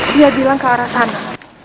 dia bilang ke arah sana